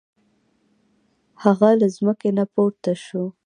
هغه له ځمکې نه پورته شو.